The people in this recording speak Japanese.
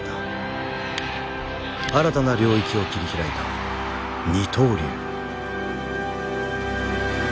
新たな領域を切り開いた二刀流。